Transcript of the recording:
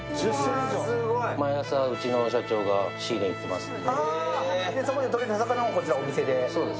毎朝うちの社長が仕入れにいきます。